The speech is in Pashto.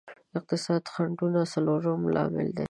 اقتصادي خنډونه څلورم لامل دی.